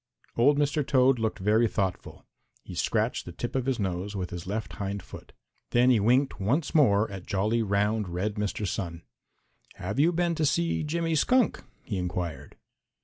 Old Mr. Toad looked very thoughtful. He scratched the tip of his nose with his left hind foot. Then he winked once more at jolly, round, red Mr. Sun. "Have you been to see Jimmy Skunk?" he inquired.